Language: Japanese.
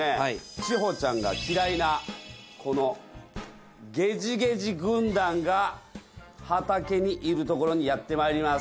千穂ちゃんが嫌いなこのゲジゲジ軍団が畑にいるところにやってまいります。